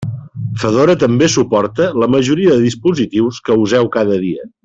Fedora també suporta la majoria de dispositius que useu cada dia.